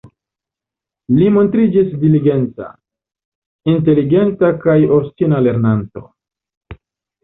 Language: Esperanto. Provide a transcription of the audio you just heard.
Li montriĝis diligenta, inteligenta kaj obstina lernanto.